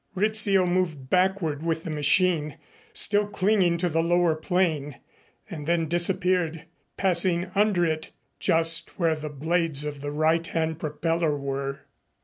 Rizzio moved backward with the machine, still clinging to the lower plane, and then disappeared, passing under it, just where the blades of the right hand propeller were.